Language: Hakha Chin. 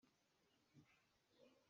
Kei cu ka pi le ka pu nih an ka dawt tuk.